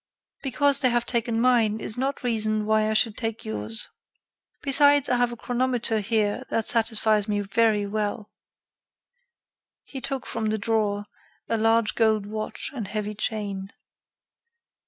Because they have taken mine is no reason why I should take yours. Besides, I have a chronometer here that satisfies me fairly well." He took from the drawer a large gold watch and heavy chain.